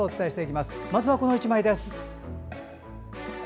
まずは、この１枚です。